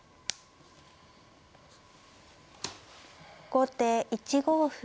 後手１五歩。